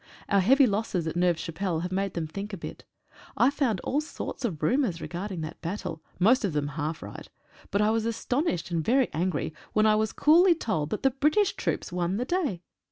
Our heavy losses at Neuve Chapelle have made them think a bit. I found all sorts of rumours re that battle — most of them half right, but I was astonished and very angry when I was cooly told that the British troops won the day.